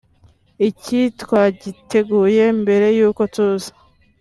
Iki twacyiteguye mbere y’uko tuza